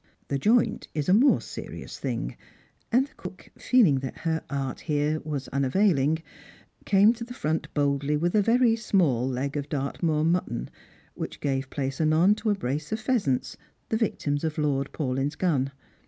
The joint is a more serious thing, and the cook, feeling that her art was here unavailing, came to the front boldly with a very small leg of Dartrnoor mutton, which gave place anon to a brace of pheasants, the victims of Lord Paulyn's gun.